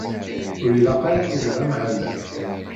Ur ilaq ara Tom d amεellem.